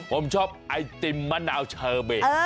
ผมชอบไอติมมะนาวเชอเบ